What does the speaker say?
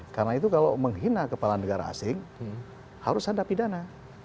karena itu kalau menghina kepala negara asing harus ada pidana